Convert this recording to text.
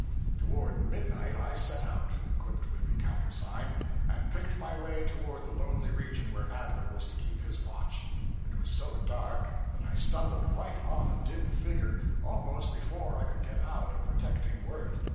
Toward midnight I set out, equipped with the countersign, and picked my way toward the lonely region where Adler was to keep his watch. It was so dark that I stumbled right on a dim figure almost before I could get out a protecting word.